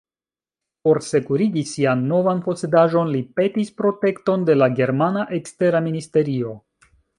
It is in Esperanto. Por sekurigi sian novan posedaĵon li petis protekton de la germana ekstera ministerio.